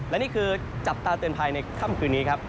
และนี่คือจับตาเตือนภัยในค่ำคืนนี้ครับ